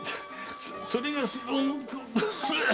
それがその。